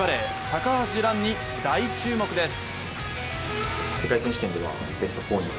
高橋藍に大注目です。